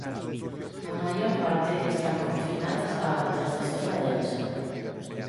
A maior parte están confinadas a hábitats de selva densa.